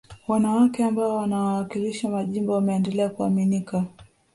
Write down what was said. wanawake ambao wanawakilishi majimbo wameendelea kuaminika